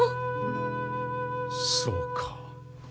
そうか。